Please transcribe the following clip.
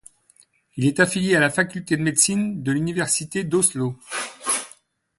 Il est affilié à la faculté de médecine de l'université d'Oslo.